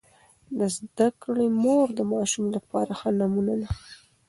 د زده کړې مور د ماشوم لپاره ښه نمونه ده.